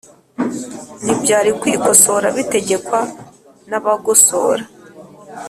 Ntibyari kwikosora bitegekwa na Bagosora